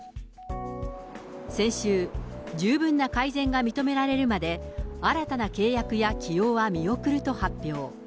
先週、十分な改善が認められるまで、新たな契約や起用は見送ると発表。